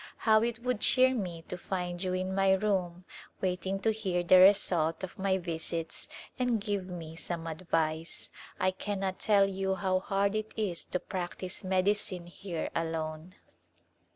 How it would cheer me to find you in my room waiting to hear the result of my visits and give me some advice. I cannot tell you how hard it is to practice medicine here alone.